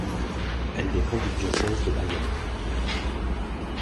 Elle dépend du diocèse de Bayonne.